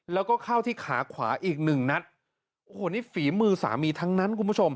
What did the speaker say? แล้วก็เข้าที่ขาขวาอีกหนึ่งนัดโอ้โหนี่ฝีมือสามีทั้งนั้นคุณผู้ชม